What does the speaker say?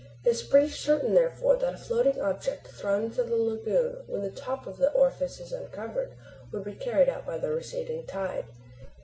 It is pretty certain therefore that a floating object thrown into the lagoon when the top of the orifice is uncovered would be carried out by the receding tide.